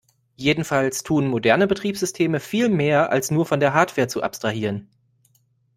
Jedenfalls tun moderne Betriebssysteme viel mehr, als nur von der Hardware zu abstrahieren.